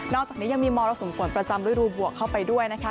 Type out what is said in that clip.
นอกจากนี้ยังมีมรสมฝนประจำด้วยรูบวกเข้าไปด้วย